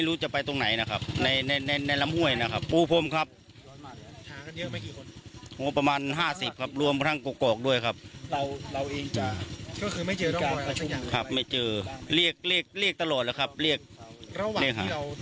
แล้วเว่าที่เราเดินพบวงค้นหาครับมีการเรียกชื่อยังไงบ้าง